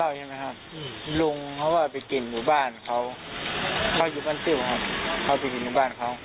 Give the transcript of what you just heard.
ไม่ครับก็มีแต่ทะเลาะกับแฟนครับ